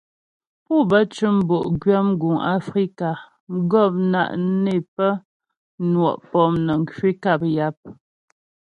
Pú bə cʉm bo'gwyə mguŋ Afrika, mgɔpna' ne pə́ nwɔ' pɔmnəŋ kwi nkap yap.